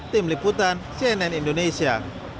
tim liputan cnn indonesia